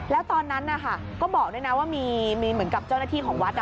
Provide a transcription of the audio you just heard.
แล้วตอนนั้นนะคะก็บอกด้วยนะว่ามีเหมือนกับเจ้าหน้าที่ของวัด